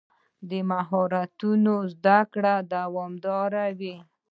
د مهارتونو زده کړه دوامداره وي.